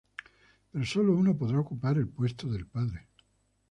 Pero solo uno podrá ocupar el puesto del padre.